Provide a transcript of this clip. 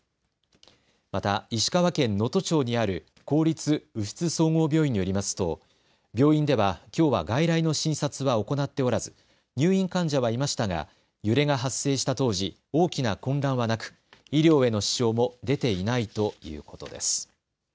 また石川県能登町にある公立宇出津総合病院によりますと病院ではきょうは外来の診察は行っておらず入院患者はいましたが揺れが発生した当時、大きな混乱はなく医療への支障も出ていないということです。